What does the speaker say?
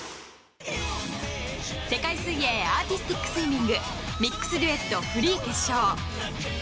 世界水泳アーティスティックスイミングミックスデュエット・フリー決勝。